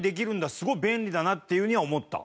すごい便利だなっていうふうには思った。